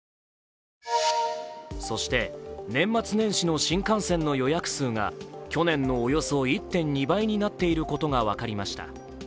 そして、年末年始の新幹線の予約数が去年のおよそ１．２倍になっていることが分かりました。